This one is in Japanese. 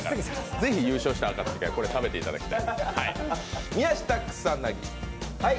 ぜひ優勝したあかつきにはこれを食べていただきたい。